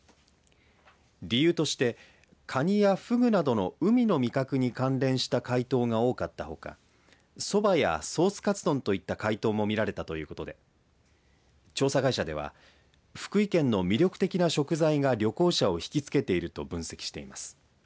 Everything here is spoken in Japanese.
理由として、かにやふぐなどの海の味覚に関連した回答が多かったほかそばやソースカツ丼といった回答も見られたということで調査会社では福井県の魅力的な食材が旅行者を引き付けていると分析しています。